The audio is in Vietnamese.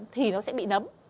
thì nó sẽ bị nấm